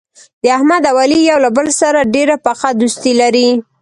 د احمد او علي یو له بل سره ډېره پخه دوستي لري.